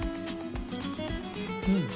うん。